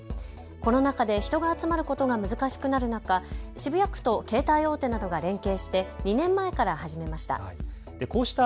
コロナ禍で人が集まることが難しくなる中、渋谷区と携帯大手などが連携して２年前から始めました。